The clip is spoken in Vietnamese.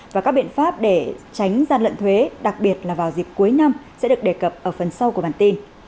và các biện pháp để tránh gian lận thuế đặc biệt là vào dịp cuối năm sẽ được đề cập ở phần sau của bản tin